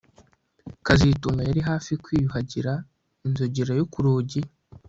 kazitunga yari hafi kwiyuhagira inzogera yo ku rugi